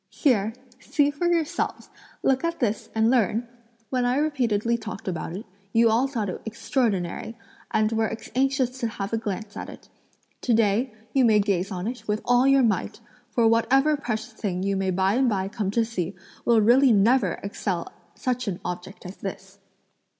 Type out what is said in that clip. "Here! see for yourselves; look at this and learn! When I repeatedly talked about it, you all thought it extraordinary, and were anxious to have a glance at it; to day, you may gaze on it with all your might, for whatever precious thing you may by and by come to see will really never excel such an object as this!"